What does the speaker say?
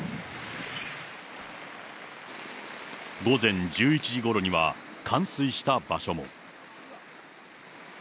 午前１１時ごろには冠水した場所も。